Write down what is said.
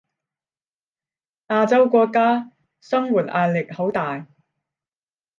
亞洲國家生活壓力好大